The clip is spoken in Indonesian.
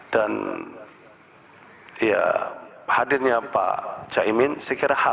dan ya hadirnya pak jaimin saya kira hal